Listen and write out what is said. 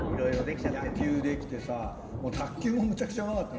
野球できてさ卓球もむちゃくちゃうまかった。